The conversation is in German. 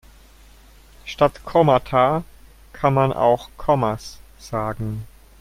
Statt Kommata kann man auch Kommas sagen.